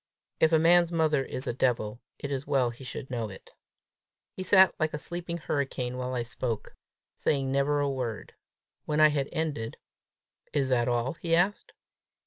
If a man's mother is a devil, it is well he should know it. He sat like a sleeping hurricane while I spoke, saying never a word. When I had ended, "Is that all?" he asked.